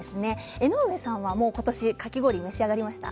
江上さんはかき氷、召し上がりましたか？